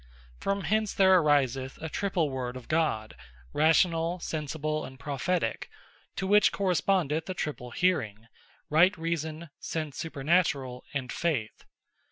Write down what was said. From hence there ariseth a triple Word of God, Rational, Sensible, and Prophetique: to which Correspondeth a triple Hearing; Right Reason, Sense Supernaturall, and Faith.